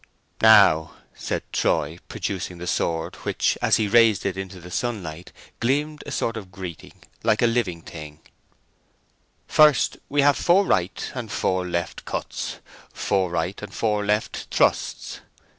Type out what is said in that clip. "Now," said Troy, producing the sword, which, as he raised it into the sunlight, gleamed a sort of greeting, like a living thing, "first, we have four right and four left cuts; four right and four left thrusts.